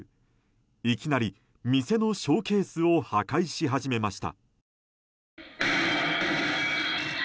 いきなり店のショーケースを破壊し始めました。